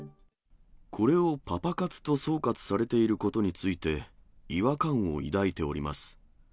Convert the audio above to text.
これをパパ活と総括されていることについて、違和感を抱いております。